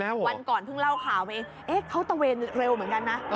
วันก่อนเพิ่งเล่าข่าวไปเอ๊ะเขาตะเวนเร็วเหมือนกันนะ